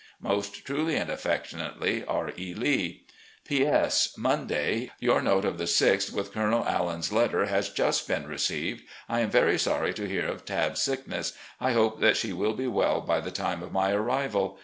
"Most truly and affectionately, "R. E. Lee. "P. S. — ^Monday. Your note of the 6th with Colonel Allan's letter has just been received. I am very sorry to hear of Tabb's sickness. I hope that she will be well by the time of my arrival.